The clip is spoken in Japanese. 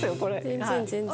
全然全然。